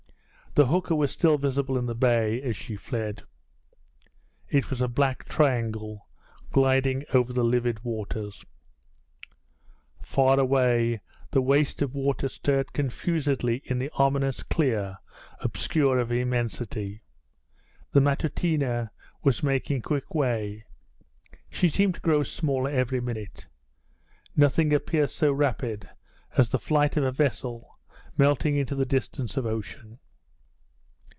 The hooker was still visible in the bay as she fled. It was a black triangle gliding over the livid waters. Far away the waste of waters stirred confusedly in the ominous clear obscure of immensity. The Matutina was making quick way. She seemed to grow smaller every minute. Nothing appears so rapid as the flight of a vessel melting into the distance of ocean.